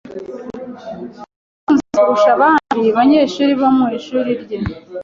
Arakuze kurusha abandi banyeshuri bo mu ishuri rye.